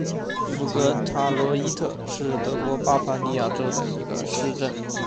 福格塔罗伊特是德国巴伐利亚州的一个市镇。